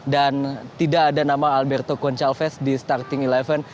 dan tidak ada nama alberto goncalves di starting eleven